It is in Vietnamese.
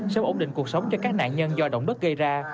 sớm ổn định cuộc sống cho các nạn nhân do động đất gây ra